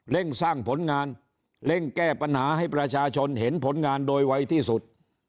สร้างผลงานเร่งแก้ปัญหาให้ประชาชนเห็นผลงานโดยไวที่สุด